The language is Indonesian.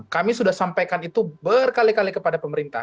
kami sudah sampaikan itu berkali kali kepada pemerintah